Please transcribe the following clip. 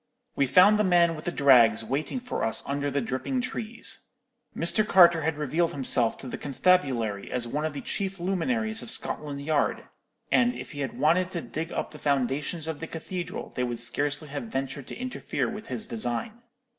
"We found the man with the drags waiting for us under the dripping trees. Mr. Carter had revealed himself to the constabulary as one of the chief luminaries of Scotland Yard; and if he had wanted to dig up the foundations of the cathedral, they would scarcely have ventured to interfere with his design.